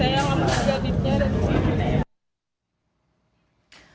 saya langsung juga ditarik